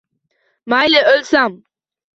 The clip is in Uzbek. Mayli, o’lsam